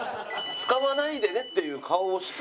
使わないでねっていう顔をして。